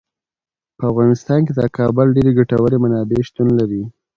په افغانستان کې د کابل ډیرې ګټورې منابع شتون لري.